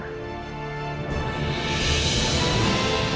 aku tidak bisa menanggung